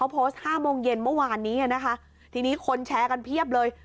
๕โมงเย็นเมื่อวานนี้นะคะทีนี้คนแชร์กันเพียบเลย